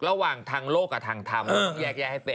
ระหว่างทางโลกกับทางทำ